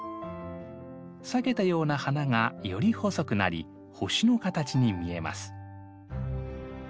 裂けたような花がより細くなり星の形に見えます。